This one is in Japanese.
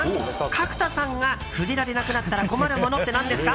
角田さんが触れなくなったら困るものって何ですか？